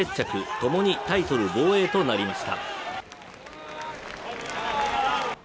共にタイトル防衛となりました。